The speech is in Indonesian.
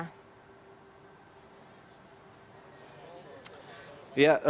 ratu nabila selamat sore